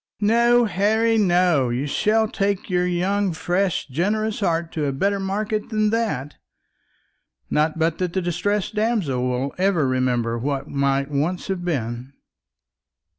"No, Harry, no; you shall take your young fresh generous heart to a better market than that; not but that the distressed damsel will ever remember what might once have been."